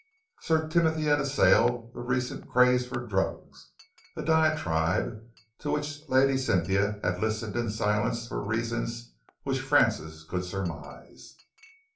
Sir Timothy had assailed the recent craze for drugs, a diatribe to which Lady Cynthia had listened in silence for reasons which Francis could surmise.